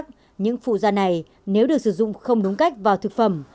không ai có thể biết chắc những phụ gia này nếu được sử dụng không đúng cách vào thực phẩm